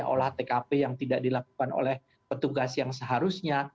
olah tkp yang tidak dilakukan oleh petugas yang seharusnya